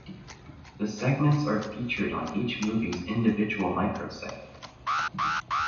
The segments are featured on each movie's individual microsite.